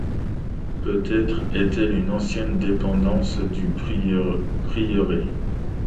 Peut-être est-elle une ancienne dépendance du prieuré.